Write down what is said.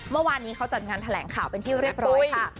เมื่อวานนี้เขาจัดงานแถลงข่าวเป็นที่เรียบร้อยค่ะ